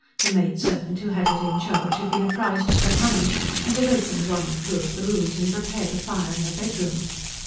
The maid servant who had it in charge had been apprised of her coming, and had opened one or two of the rooms, and prepared a fire in her bedroom.